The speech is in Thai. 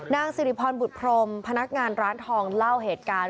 นางสิริพรบุตรพรมพนักงานร้านทองเล่าเหตุการณ์